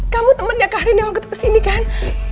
kamu temennya karin yang waktu kesini kan